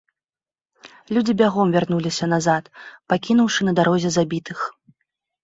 Людзі бягом вярнуліся назад, пакінуўшы на дарозе забітых.